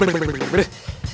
bleh bleh bleh bleh bleh bleh bleh